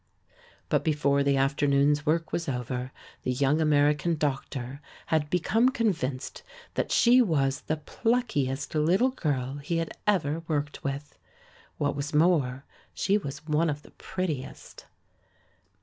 But before the afternoon's work was over the young American doctor had become convinced that she was the pluckiest little girl he had ever worked with. What was more, she was one of the prettiest.